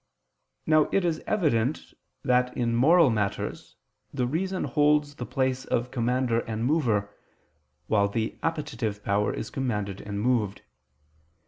Now it is evident that in moral matters the reason holds the place of commander and mover, while the appetitive power is commanded and moved.